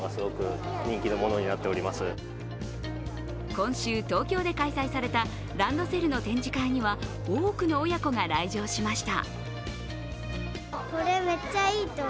今週、東京で開催されたランドセルの展示会には多くの親子が来場しました。